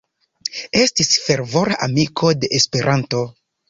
Estis fervora amiko de Esperanto.